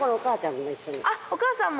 あっお母さんも。